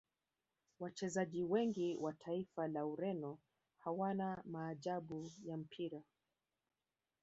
wachezaji wengi wa taifa la Ureno hawana maajabu ya mpira